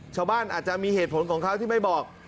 ชาวบ้านอาจจะมีเหตุผลของเขาที่ไม่บอก